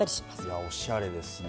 いやおしゃれですね。